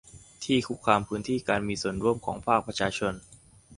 ที่คุกคามพื้นที่การมีส่วนร่วมของภาคประชาชน